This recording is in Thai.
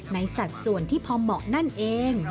สัดส่วนที่พอเหมาะนั่นเอง